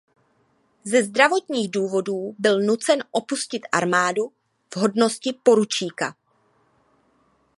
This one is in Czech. Ze zdravotních důvodů byl nucen opustit armádu v hodnosti poručíka.